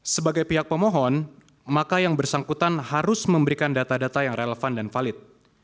sebagai pihak pemohon maka yang bersangkutan harus memberikan data data yang relevan dan valid